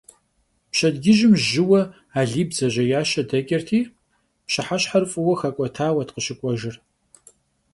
Пщэдджыжьым жьыуэ Алий бдзэжьеящэ дэкӏырти, пщыхьэщхьэр фӏыуэ хэкӏуэтауэт къыщыкӏуэжыр.